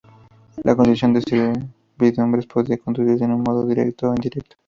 La constitución de servidumbres podía producirse de un modo directo o indirecto.